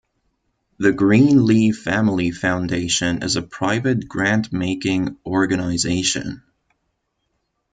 The Greenlee Family Foundation is a private grant-making organization.